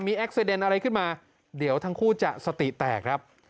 มีแอคเซเดนอะไรขึ้นมาเดี๋ยวทั้งคู่จะสติแตกครับ